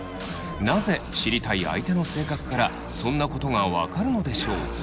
なぜ知りたい相手の性格からそんなことが分かるのでしょう。